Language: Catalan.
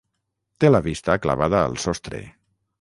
Té la vista clavada al sostre.